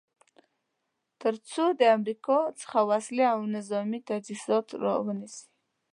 تر څو د امریکا څخه وسلې او نظامې تجهیزات را ونیسي.